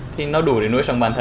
thì nó đủ để nuôi sống bản thân